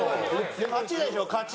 勝ちでしょ勝ち。